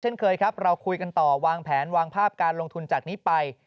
เช่นเคยครับเราคุยกันต่อวางแผนวางภาพการลงทุนจากนี้ไป